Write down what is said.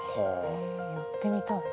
へえやってみたい。